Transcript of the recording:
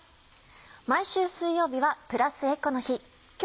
毎週水曜日はプラスエコの日。